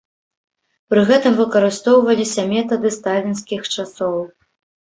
Пры гэтым выкарыстоўваліся метады сталінскіх часоў.